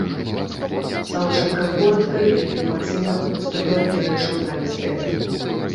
Саўчанка коратка і вельмі эмацыйна выступіла перад журналістамі.